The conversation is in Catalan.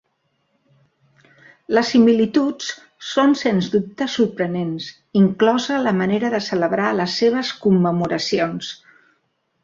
Les similituds són sens dubte sorprenents, inclosa la manera de celebrar les seves commemoracions.